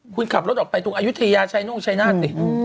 คุณขับรถออกไปตรงอายุทยาชัยน่งชายนาฏสิ